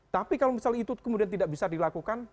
tapi kalau misalnya itu kemudian tidak bisa dilakukan